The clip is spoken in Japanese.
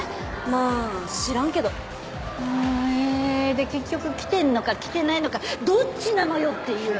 で結局来てんのか来てないのかどっちなのよ！？っていうね。